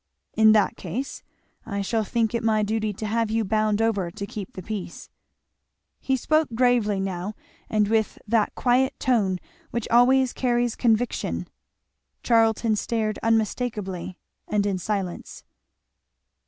"In that case, I shall think it my duty to have you bound over to keep the peace." He spoke gravely now, and with that quiet tone which always carries conviction. Charlton stared unmistakably and in silence.